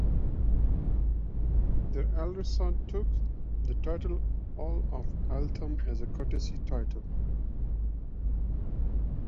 Their elder son took the title Earl of Eltham as a courtesy title.